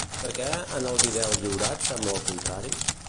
Per què en el vídeo lliurat sembla el contrari?